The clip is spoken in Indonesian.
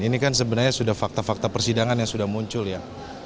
ini kan sebenarnya sudah fakta fakta persidangan yang sudah muncul ya